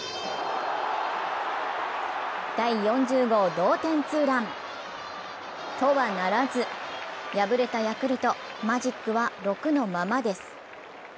第４０号同点ツーラン、とはならず、敗れたヤクルト、マジックは６のままです。